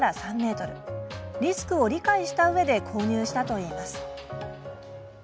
リスクを理解したうえで購入したといいます。